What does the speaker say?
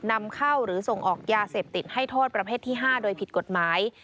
นำเข้าหรือส่งออกยาเสพติดให้โทษประเภทที่๕โดยผิดกฎหมาย